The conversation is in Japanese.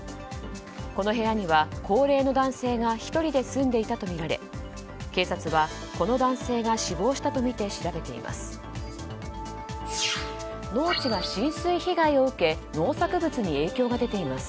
この部屋には、高齢の男性が１人で住んでいたとみられ警察はこの男性が死亡したとみて調べています。